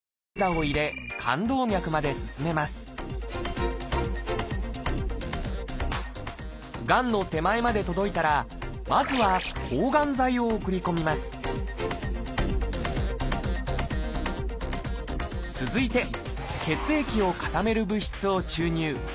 肝動脈まで進めますがんの手前まで届いたらまずは抗がん剤を送り込みます続いて血液を固める物質を注入。